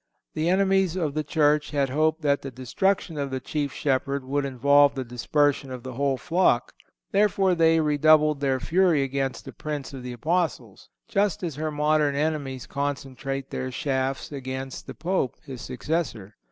The enemies of the Church had hoped that the destruction of the chief shepherd would involve the dispersion of the whole flock; therefore they redoubled their fury against the Prince of the Apostles, just as her modern enemies concentrate their shafts against the Pope, his successor.